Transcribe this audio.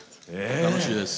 楽しいです。